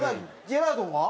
ジェラードンは？